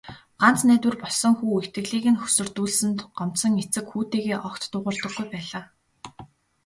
Ганц найдвар болсон хүү итгэлийг нь хөсөрдүүлсэнд гомдсон эцэг хүүтэйгээ огт дуугардаггүй байлаа.